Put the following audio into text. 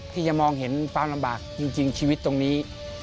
ที่จะมองเห็นความลำบากจริงชีวิตตรงนี้